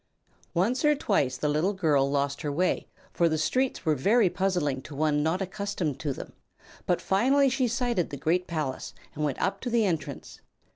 Once or twice the little girl lost her way, for the streets were very puzzling to one not accustomed to them, but finally she sighted the great palace and went up to the entrance.